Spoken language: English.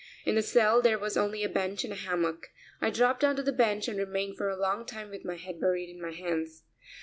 In the cell there was only a bench and a hammock. I dropped onto the bench and remained for a long time with my head buried in my hands.